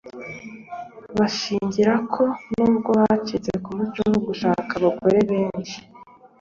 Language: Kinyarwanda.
bashimangira ko n’ubwo bacitse ku muco wo gushaka abagore benshi